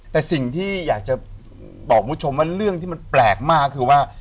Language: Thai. แต่สิ่งที่อยากจะบอกคุณผู้ชมว่าเรื่องที่มันแปลกมากคือว่า